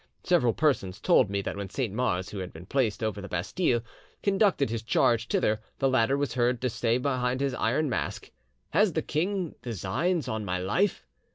Several persons told me that when Saint Mars, who had been placed over the Bastille, conducted his charge thither, the latter was heard to say behind his iron mask, 'Has the king designs on my life?